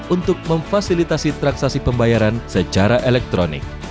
untuk memfasilitasi transaksi pembayaran secara elektronik